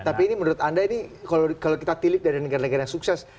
tapi ini menurut anda ini kalau kita tilik dari negara negara yang sukses